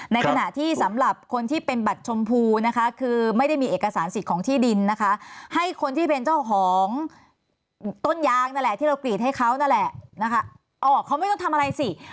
ในขณะที่สำหรับคนที่เป็นบัตรชมพูนะคะคือไม่ได้มีเอกสารสิทธิ์ของที่ดินนะคะ